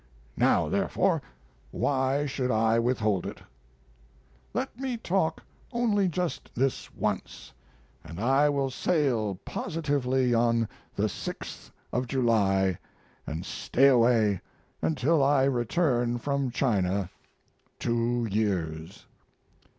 Now, therefore, why should I withhold it? Let me talk only just this once, and I will sail positively on the 6th of July, and stay away until I return from China two years.